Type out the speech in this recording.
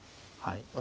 はい。